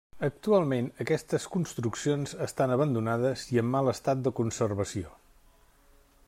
Actualment aquestes construccions estan abandonades i en mal estat de conservació.